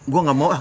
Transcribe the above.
gue gak mau ah